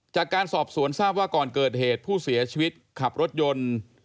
จากการสอบสวนทราบว่าก่อนเกิดเหตุผู้เสียชีวิตขับรถยนต์